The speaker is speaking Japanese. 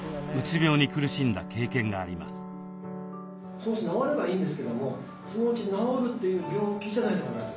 そのうち治ればいいんですけどもそのうち治るという病気じゃないと思います。